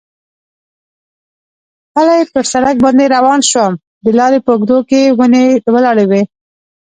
پلی پر سړک باندې روان شوم، د لارې په اوږدو کې ونې ولاړې وې.